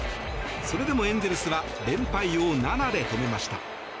それでもエンゼルスは連敗を７で止めました。